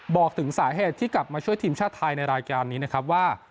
บอกถึงสาเหตุที่กลับมาช่วยทีมชาติไทยในรายการนี้นะครับว่า